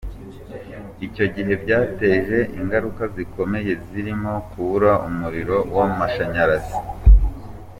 Icyo gihe byateje ingaruka zikomeye zirimo kubura umuriro w’amashanyarazi.